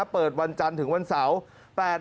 เปิดวันจันทร์ถึงวันเสาร์